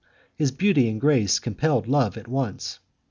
His beauty and grace compelled love at once.